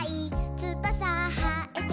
「つばさはえても」